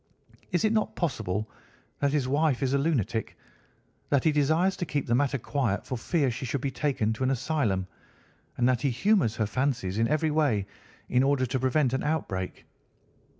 Is it not possible that his wife is a lunatic, that he desires to keep the matter quiet for fear she should be taken to an asylum, and that he humours her fancies in every way in order to prevent an outbreak?"